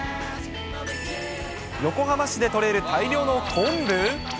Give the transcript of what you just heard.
横浜市で取れる大量の昆布？